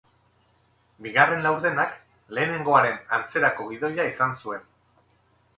Bigarren laurdenak lehenengoaren antzerako gidoia izan zuen.